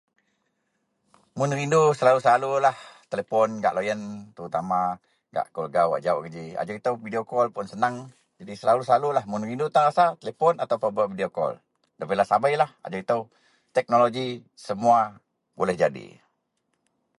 Mun rindu, selalu-lalulah telepon gak loyen terutama gak keluwerga wak jauk geji. Ajau itou video call pun seneng geji selalu-lalulah. Mun rindu tan rasa, telepon atau pebak video call. Ndabeilah sabeilah, ajau itou teknoloji semuwa boleh jadi.